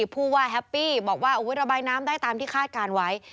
ผู้ว่าแฮปปี้บอกว่าระบายน้ำได้ตามที่คาดการณ์ไว้